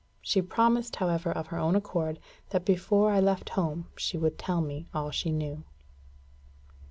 She promised, however, of her own accord, that before I left home she would tell me all she knew.